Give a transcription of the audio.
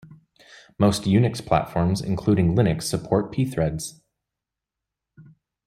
Most Unix platforms including Linux support Pthreads.